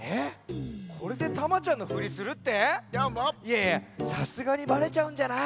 いやいやさすがにバレちゃうんじゃない？